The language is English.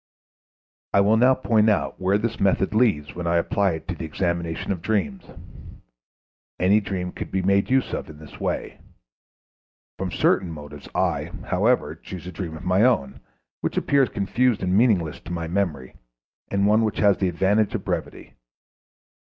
I will now point out where this method leads when I apply it to the examination of dreams. Any dream could be made use of in this way. From certain motives I, however, choose a dream of my own, which appears confused and meaningless to my memory, and one which has the advantage of brevity.